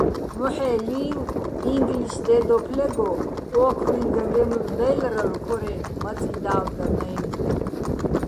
მოჰ̦ე ლი́ვ, ინგლის დედოფლეგო ო́ქრუჲჼ გრდემლ დაჲლრალო̆ ქორე მაწი და́ვდანაჲნო̆.